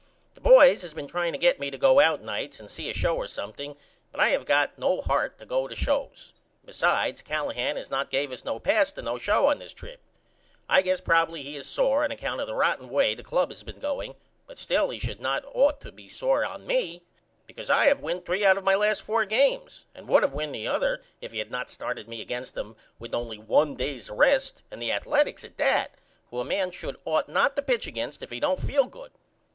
The boys has been trying to get me to go out nights and see a show or something but I have not got no heart to go to shows. And besides Callahan has not gave us no pass to no show on this trip. I guess probily he is sore on account of the rotten way the club has been going but still he should ought not to be sore on me because I have win 3 out of my last 4 games and would of win the other if he had not of started me against them with only 1 day's rest and the Athaletics at that, who a man should ought not to pitch against if he don't feel good.